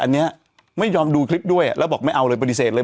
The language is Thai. อันนี้ไม่ยอมดูคลิปด้วยแล้วบอกไม่เอาเลยปฏิเสธเลย